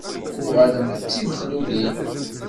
Tuɣalemt d timexlulin?